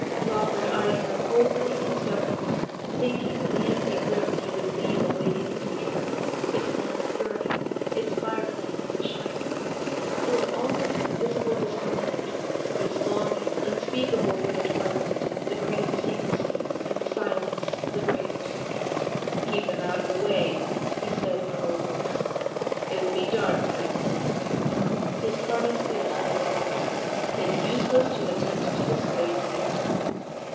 Lawford eyed her coldly and stubbornly—thinking of the empty room he would leave awaiting his return, its lamp burning, its fire flames shining. It was almost a physical discomfort, this longing unspeakable for the twilight, the green secrecy and the silence of the graves. 'Keep them out of the way,' he said in a low voice; 'it will be dark when I come in.' His hardened face lit up. 'It's useless to attempt to dissuade me.